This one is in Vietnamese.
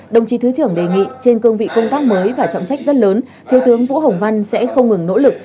đồng chí thứ trưởng đề nghị trên cương vị công tác mới và trọng trách rất lớn thiếu tướng vũ hồng văn sẽ không ngừng nỗ lực